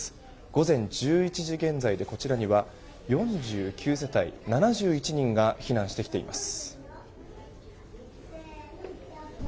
午前１１時現在でこちらには４９世帯７１人が避難してきています。